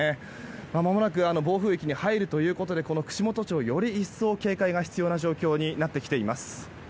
まもなく暴風域に入るということで、串本町はより一層警戒が必要な状況になってきています。